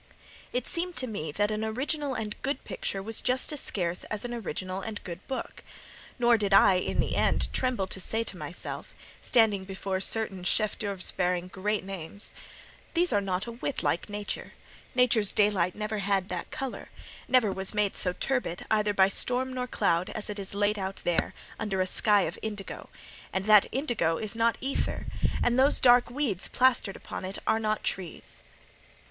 It seemed to me that an original and good picture was just as scarce as an original and good book; nor did I, in the end, tremble to say to myself, standing before certain chef d'oeuvres bearing great names, "These are not a whit like nature. Nature's daylight never had that colour: never was made so turbid, either by storm or cloud, as it is laid out there, under a sky of indigo: and that indigo is not ether; and those dark weeds plastered upon it are not trees."